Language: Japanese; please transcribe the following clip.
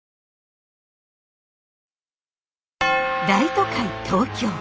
大都会東京。